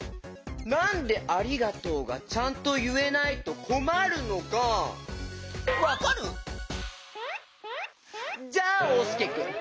なんで「ありがとう」がちゃんといえないとこまるのかわかる？じゃあおうすけくん。